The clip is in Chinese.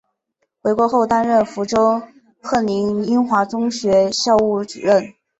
回国后担任福州鹤龄英华中学校务主任。